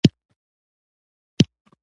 سور ګل برق ونیوی، لاس یې وروسوځوی.